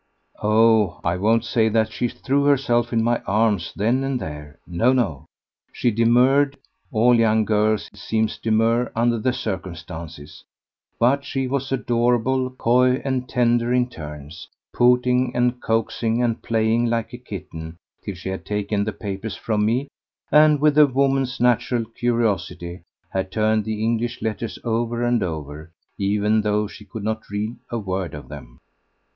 Oh! I won't say that she threw herself in my arms then and there. No, no! She demurred. All young girls, it seems, demur under the circumstances; but she was adorable, coy and tender in turns, pouting and coaxing, and playing like a kitten till she had taken the papers from me and, with a woman's natural curiosity, had turned the English letters over and over, even though she could not read a word of them.